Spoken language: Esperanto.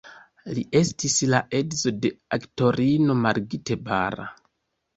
Li estis la edzo de aktorino Margit Bara.